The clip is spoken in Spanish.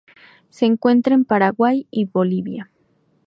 Se encuentra en Paraguay y Bolivia.